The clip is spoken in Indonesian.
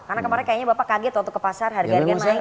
karena kemarin kayaknya bapak kaget waktu ke pasar harga harga naik